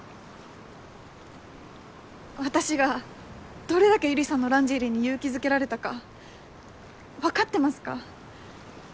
私がどれだけ百合さんのランジェリーに勇気づけられたか分かってますか？